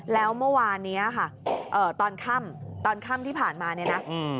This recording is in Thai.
แล้วเมื่อวานนี้ค่ะตอนค่ำตอนค่ำที่ผ่านมาเนี่ยนะ